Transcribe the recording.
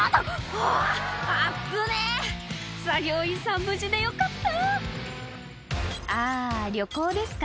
あぁ危っぶねぇ！」作業員さん無事でよかったあぁ旅行ですか？